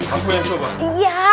aku yang coba